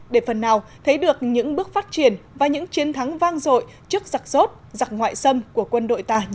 để phần nào thấy được những bước phát triển và những chiến thắng vang dội trước giặc rốt giặc ngoại xâm của quân đội ta